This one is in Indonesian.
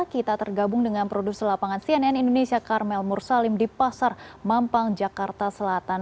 kita tergabung dengan produser lapangan cnn indonesia karmel mursalim di pasar mampang jakarta selatan